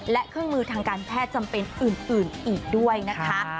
และเครื่องมือทางการแพทย์จำเป็นอื่นอีกด้วยนะคะ